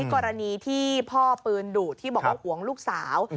กรณีที่พ่อปืนดุที่บอกว่าห่วงลูกสาว